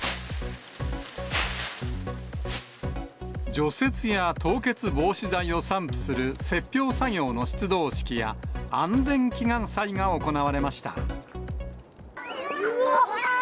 除雪や凍結防止剤を散布する雪氷作業の出動式や、安全祈願祭が行われました。